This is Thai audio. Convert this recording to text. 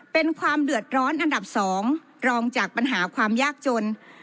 เป็นความเดือดร้อนอันดับ๒รองจากปัญหาความยากจน